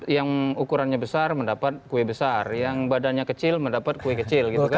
yang ukurannya besar mendapat kue besar yang badannya kecil mendapat kue kecil gitu kan